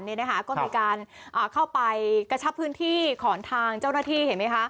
ก็มีการเข้าไปกระชับพื้นที่ของทางเจ้าหน้าที่เห็นไหมคะ